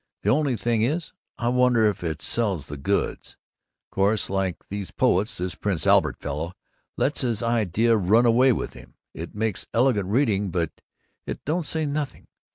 The only thing is: I wonder if it sells the goods? Course, like all these poets, this Prince Albert fellow lets his idea run away with him. It makes elegant reading, but it don't say nothing.